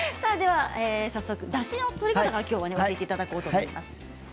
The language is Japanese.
早速、だしの取り方から教えていただこうと思います。